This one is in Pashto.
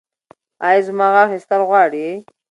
ایا زما غاښ ایستل غواړي؟